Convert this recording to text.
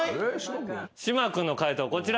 島君の解答こちら。